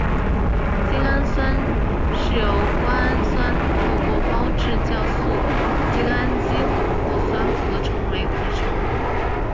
精氨酸是由瓜氨酸透过胞质酵素精氨基琥珀酸合酶合成。